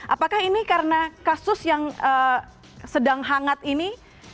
apakah ini karena kasus yang sedang hangat ini